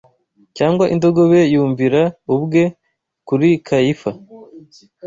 cyangwa indogobe Yumvira ubwe kuri Kayifa